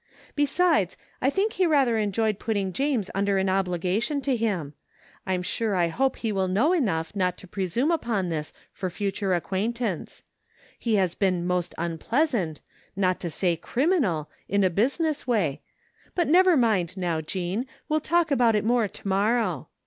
Be* 105 THE FINDING OF JASPEE HOLT sides, I think he rather enjoyed putting James under an obligation to him. Fm sure I hope he will know enough not to presume upon this for further acquaint ance. He has been most unpleasant, not to say crim inal, in a business way, — ^but never mind now, Jean, we'll talk about it more to morrow.